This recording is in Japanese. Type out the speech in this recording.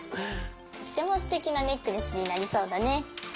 とってもすてきなネックレスになりそうだね。